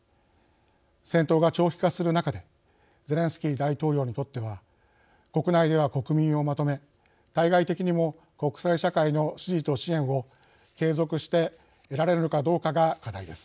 戦闘が長期化する中でゼレンスキー大統領にとっては国内では国民をまとめ対外的にも国際社会の支持と支援を継続して得られるのかどうかが課題です。